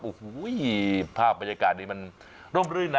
โอ้โหภาพบรรยากาศนี้มันร่มรื่นนะ